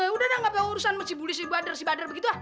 udah lah gak berurusan sama si bule si pader si pader begitu lah